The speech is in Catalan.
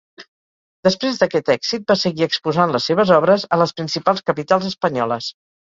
Després d'aquest èxit va seguir exposant les seves obres a les principals capitals espanyoles.